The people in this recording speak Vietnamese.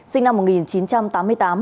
sinh năm một nghìn chín trăm tám mươi tám